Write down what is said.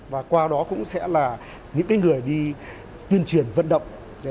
và qua đó cũng sẽ là những người đi tuyên truyền vận động